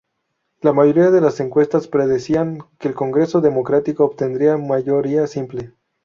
La mayoría de las encuestas predecían que el Congreso Democrático obtendría mayoría simple.